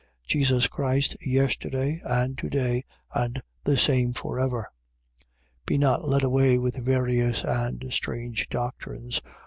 Jesus Christ, yesterday, and today: and the same for ever. 13:9. Be not led away with various and strange doctrines.